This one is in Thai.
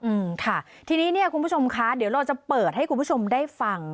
อืมค่ะทีนี้เนี่ยคุณผู้ชมคะเดี๋ยวเราจะเปิดให้คุณผู้ชมได้ฟัง